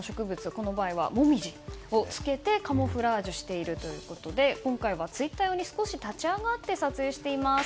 この場合はモミジをつけてカムフラージュしているということで今回は、ツイッター用に少し立ち上がって撮影しています。